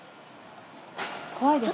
怖いですね。